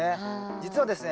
実はですね